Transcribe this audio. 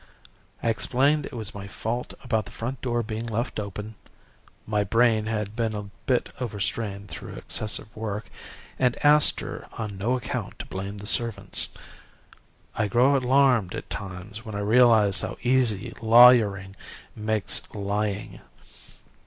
I explained it was my fault about the front door being left open my brain had been a bit overstrained through excessive work and asked her on no account to blame the servants. I grow alarmed at times when I realize how easy lawyering makes lying.